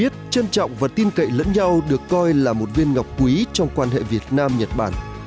trân trọng và tin cậy lẫn nhau được coi là một viên ngọc quý trong quan hệ việt nam nhật bản